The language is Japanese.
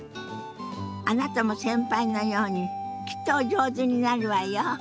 あなたも先輩のようにきっとお上手になるわよ。